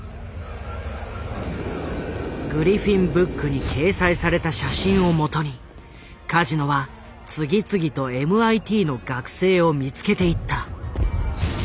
「グリフィン・ブック」に掲載された写真をもとにカジノは次々とＭＩＴの学生を見つけていった。